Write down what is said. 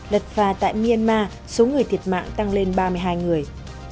lật phà tại myanmar số người thiệt mạng tăng lên ba mươi hai người